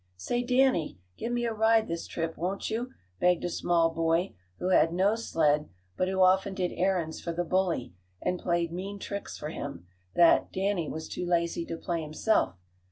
"Say, Danny, give me a ride this trip; won't you?" begged a small boy, who had no sled, but who often did errands for the bully, and played mean tricks for him that, Danny was too lazy to play himself.